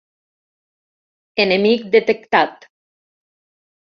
Enemic detectat!